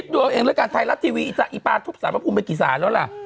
คิดดูเองด้วยกันไทยรัฐทีวีปลาทุบสารประภูมิไปกี่สารแล้วล่ะ